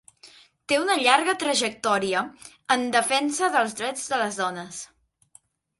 Té una llarga trajectòria en defensa dels drets de les dones.